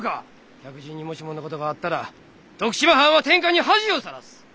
客人にもしものことがあったら徳島藩は天下に恥をさらす！